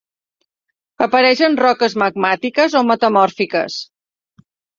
Apareix en roques magmàtiques o metamòrfiques.